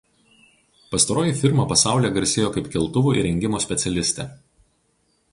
Pastaroji firma pasaulyje garsėjo kaip keltuvų įrengimo specialistė.